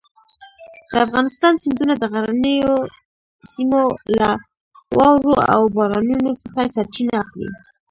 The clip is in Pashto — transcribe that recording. د افغانستان سیندونه د غرنیو سیمو له واورو او بارانونو څخه سرچینه اخلي.